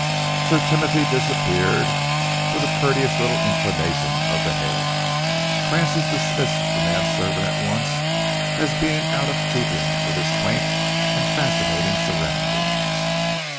Sir Timothy disappeared with a courteous little inclination of the head. Francis dismissed the manservant at once as being out of keeping with his quaint and fascinating surroundings.